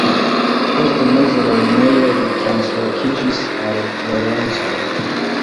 Post mezlernejo li translokiĝis al Florenco.